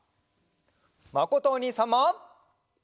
まことおにいさんも！